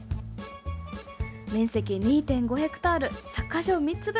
面積、２．５ヘクタールサッカー場３つ分。